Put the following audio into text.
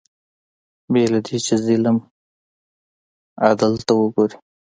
بې له دې چې ظلم عدل ته وګوري